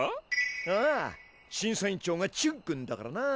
ああ審査委員長がチュンくんだからな。